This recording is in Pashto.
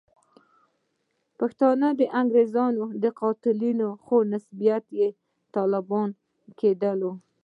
پښتانه انګریزانو قتلول، خو نسبیت یې طالبانو ته کېدلو.